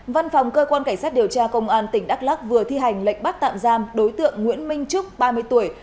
văn phòng cơ quan cảnh sát điều tra công an tỉnh đắk lắc vừa thi hành lệnh bắt tạm giam đối tượng nguyễn minh trúc ba mươi tuổi